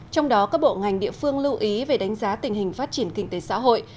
trong đó các bộ ngành địa phương lưu ý về đánh giá tình hình phát triển kinh tế xã hội